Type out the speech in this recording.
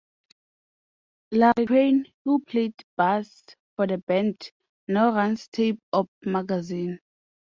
Larry Crane, who played bass for the band, now runs "Tape Op" magazine.